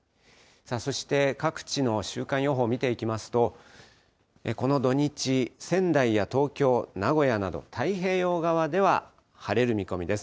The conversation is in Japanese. そして各地の週間予報見ていきますと、この土日、仙台や東京、名古屋など太平洋側では、晴れる見込みです。